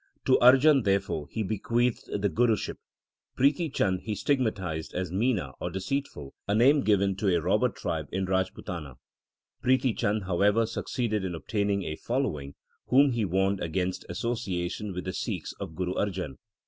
To Arjan, therefore, he bequeathed the Guruship. Prithi Chand he stigmatized as Mina or deceitful, a name given to a robber tribe in Rajputana. Prithi Chand, however, succeeded in obtaining a following, whom he warned against association with the Sikhs of Guru Arjan.